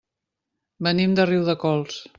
Venim de Riudecols.